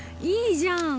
いいじゃん